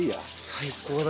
最高だ。